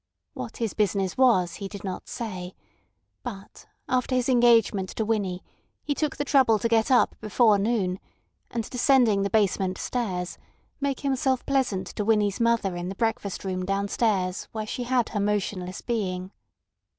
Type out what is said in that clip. What his business was he did not say; but after his engagement to Winnie he took the trouble to get up before noon, and descending the basement stairs, make himself pleasant to Winnie's mother in the breakfast room downstairs where she had her motionless being.